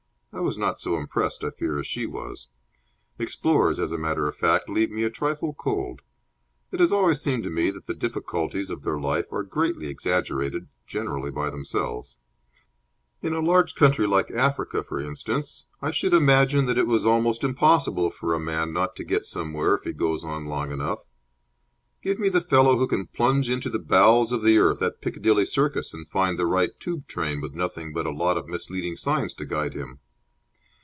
I was not so impressed, I fear, as she was. Explorers, as a matter of fact, leave me a trifle cold. It has always seemed to me that the difficulties of their life are greatly exaggerated generally by themselves. In a large country like Africa, for instance, I should imagine that it was almost impossible for a man not to get somewhere if he goes on long enough. Give me the fellow who can plunge into the bowels of the earth at Piccadilly Circus and find the right Tube train with nothing but a lot of misleading signs to guide him.